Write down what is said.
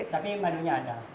tapi madunya ada